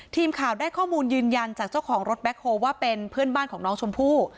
ทีมข่าวได้ข้อมูลยืนยันจากเจ้าของรถแบ็คโฮลว่าเป็นเพื่อนบ้านของน้องชมพู่